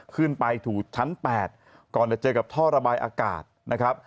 ขึ้นไปถูกชั้น๘ก่อนจะเจอกับท่อระบายอากาศนะครับ